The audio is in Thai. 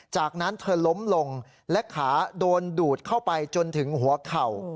จากนั้นเธอล้มลงและขาโดนดูดเข้าไปจนถึงหัวเข่า